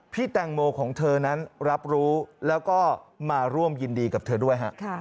แตงโมของเธอนั้นรับรู้แล้วก็มาร่วมยินดีกับเธอด้วยฮะ